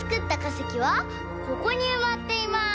せきはここにうまっています。